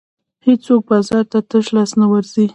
هېڅوک بازار ته تش لاس نه ورځي.